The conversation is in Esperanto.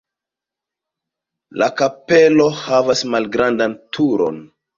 La kapelo havas malgrandan turon.